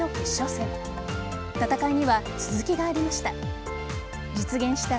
戦いには続きがありました。